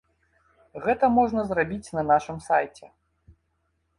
Гэта можна зрабіць на нашым сайце.